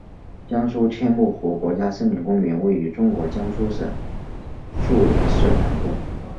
江苏天目湖国家森林公园位于中国江苏省溧阳市南部。